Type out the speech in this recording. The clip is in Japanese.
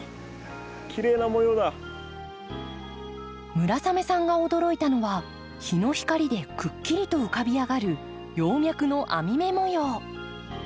村雨さんが驚いたのは日の光でくっきりと浮かび上がる葉脈の網目模様。